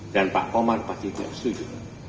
dan pak komar pasti tidak setuju